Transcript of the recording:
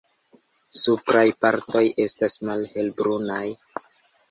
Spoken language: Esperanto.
Supraj partoj estas malhelbrunaj.